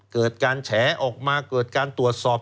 เกิดการแฉออกมาเกิดการตรวจสอบ